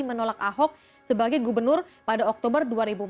menolak ahok sebagai gubernur pada oktober dua ribu empat belas